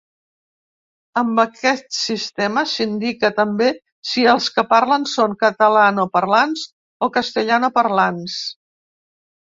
Amb aquest sistema s'indica també si els que parlen són catalanoparlants o castellanoparlants.